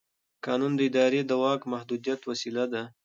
قانون د ادارې د واک د محدودیت وسیله ده.